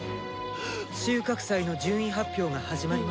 収穫祭の順位発表が始まりますよ。